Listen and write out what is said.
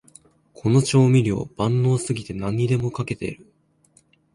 この調味料、万能すぎて何にでもかけてる